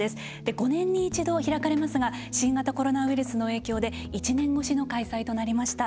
５年に１度、開かれますが新型コロナウイルスの影響で１年越しの開催となりました。